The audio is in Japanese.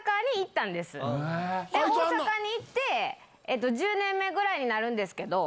大阪に行って１０年目ぐらいになるんです。